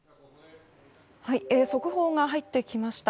速報が入ってきました。